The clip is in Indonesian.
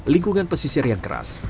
lingkungan pesisir yang keras